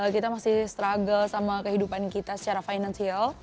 kita masih struggle sama kehidupan kita secara finansial